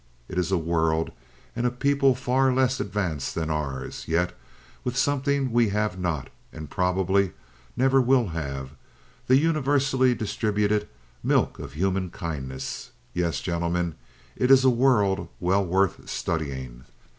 It is a world and a people far less advanced than ours, yet with something we have not, and probably never will have the universally distributed milk of human kindness. Yes, gentlemen, it is a world well worth studying."